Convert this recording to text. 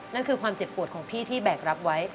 นั่นคือความเจ็บปวดของพี่ที่แบกรับไว้